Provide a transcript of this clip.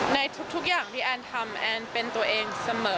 ในทุกอย่างที่แอนทำแอนเป็นตัวเองเสมอ